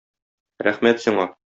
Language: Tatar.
Рәхмәт сиңа!